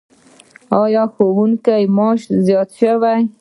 آیا د ښوونکو معاش زیات شوی؟